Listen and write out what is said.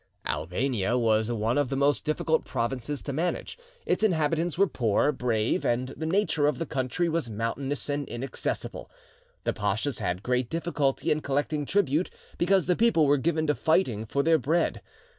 Albania was one of the most difficult provinces to manage. Its inhabitants were poor, brave, and, the nature of the country was mountainous and inaccessible. The pashas had great difficulty in collecting tribute, because the people were given to fighting for their bread.